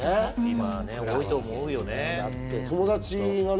今、多いと思うよね。